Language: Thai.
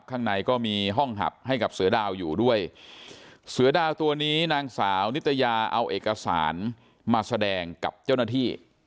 ข้างในก็มีห้องหับให้กับเสือดาวอยู่ด้วยเสือดาวตัวนี้นางสาวนิตยาเอาเอกสารมาแสดงกับเจ้าหน้าที่